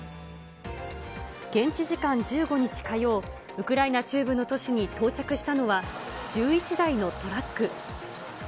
現地時間１５日火曜、ウクライナ中部の都市に到着したのは、１１台のトラック。